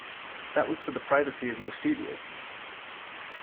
That was for the privacy of your studio.